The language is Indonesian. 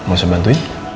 kamu mau saya bantuin